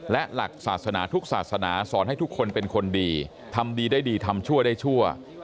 และหลักศาสนาทุกศาสนาสอนให้ทุกคนเป็นคนดีทำดีได้ดีทำชั่วได้ชั่ว